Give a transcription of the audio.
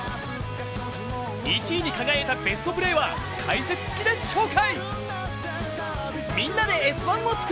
１位に輝いたベストプレーは解説つきで紹介！